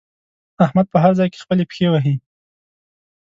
احمد په هر ځای کې خپلې پښې وهي.